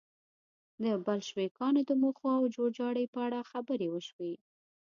د بلشویکانو د موخو او جوړجاړي په اړه خبرې وشوې